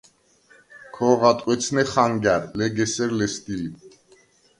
ქოღვ ადკვეცნე ხანგა̈რ, ლეგ ესერ ლესგდი ლი.